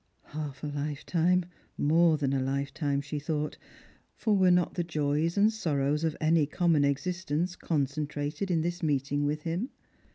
Half a hfetime, more than a lifetime, she thought ; for were not the joys and sorrows of any common existence concentrated in this meeting with him